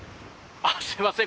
すいません